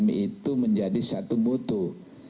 turn back crime itu menjadi satu butuh